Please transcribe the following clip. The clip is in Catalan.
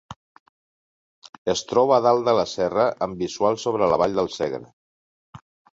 Es troba a dalt de la serra amb visual sobre la vall del Segre.